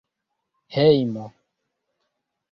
hejmo